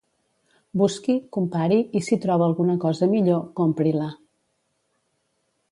Busqui, compari, i si troba alguna cosa millor, compri-la.